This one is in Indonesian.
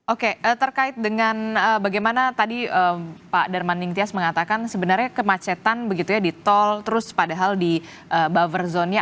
oke terkait dengan bagaimana tadi pak darmaning tias mengatakan sebenarnya kemacetan begitu ya di tol terus padahal di buffer zone nya